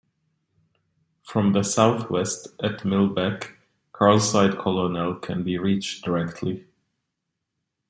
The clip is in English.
From the south-west at Millbeck, Carlside Colonel can be reached directly.